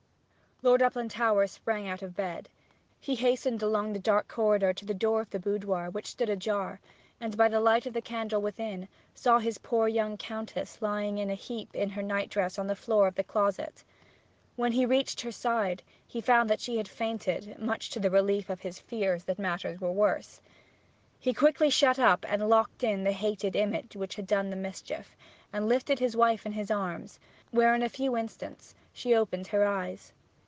Lord Uplandtowers sprang out of bed. He hastened along the dark corridor to the door of the boudoir, which stood ajar, and, by the light of the candle within, saw his poor young Countess lying in a heap in her nightdress on the floor of the closet. When he reached her side he found that she had fainted, much to the relief of his fears that matters were worse. He quickly shut up and locked in the hated image which had done the mischief; and lifted his wife in his arms, where in a few instants she opened her eyes.